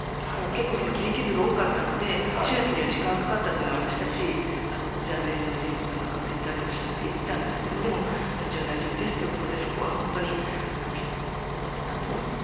結構、切り傷が多かったので手術には時間がかかったと親しいジャーナリストの神保さんがツイッターでおっしゃっていたんですがでも命は大丈夫ですということでそこはよかったなと思います。